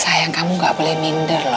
sayang kamu gak boleh minder loh